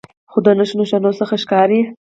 خو د نښو نښانو څخه ښکارې